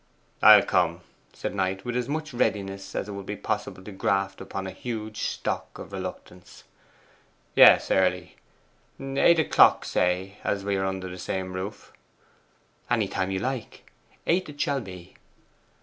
'I'll come,' said Knight, with as much readiness as it was possible to graft upon a huge stock of reluctance. 'Yes, early; eight o'clock say, as we are under the same roof.' 'Any time you like. Eight it shall be.